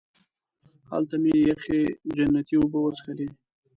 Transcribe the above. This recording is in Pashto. هلته مې یخې جنتي اوبه وڅښلې.